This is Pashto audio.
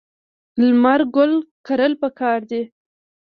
لمر ګل کرل پکار دي.